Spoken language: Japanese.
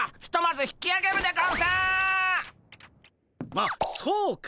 あっそうか。